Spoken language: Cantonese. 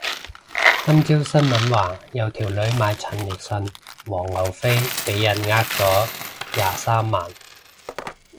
今朝新聞話有條女買陳奕迅黃牛飛俾人呃咗廿三萬